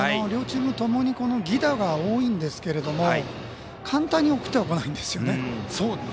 両チームともに犠打が多いんですけれども簡単に送ってはこないんですよね。